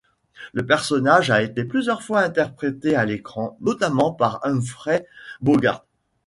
Le personnage a été plusieurs fois interprété à l'écran, notamment par Humphrey Bogart.